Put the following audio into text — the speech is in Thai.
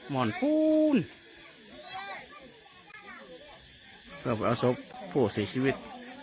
มอนพูนเพื่อไปอาชอกพวกสิ่งชีวิต